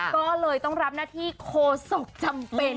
ก็เลยต้องรับหน้าที่โคศกจำเป็น